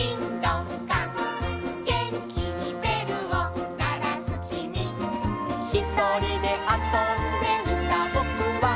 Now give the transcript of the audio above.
「げんきにべるをならすきみ」「ひとりであそんでいたぼくは」